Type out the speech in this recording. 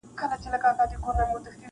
• چي بنده سي څوک د مځکي د خدایانو -